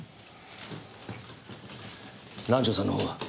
南条さんのほうは？